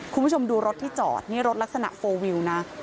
คุณผู้ชมดูรถที่จอดนี่รถลักษณะโฟลวิวนะ